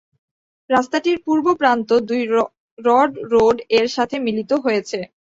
রাস্তাটির পূর্ব প্রান্ত দুই রড রোড এর সাথে মিলিত হয়েছে।